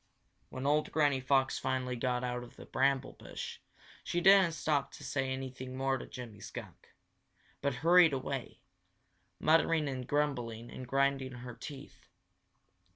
When old Granny Fox finally got out of the bramble bush, she didn't stop to say anything more to Jimmy Skunk, but hurried away, muttering and grumbling and grinding her teeth.